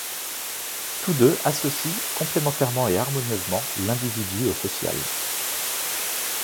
Tous deux associent, complémentairement et harmonieusement, l'individu au social.